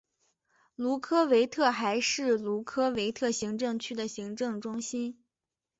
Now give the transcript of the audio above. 卢科维特还是卢科维特行政区的行政中心。